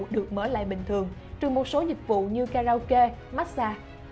được mở lại bình thường trừ một số dịch vụ như karaoke massage